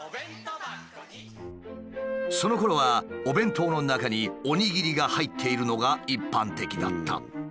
そのころはお弁当の中におにぎりが入っているのが一般的だった。